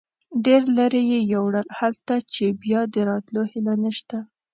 ډېر لرې یې یوړل، هلته چې بیا د راتلو هیله نشته.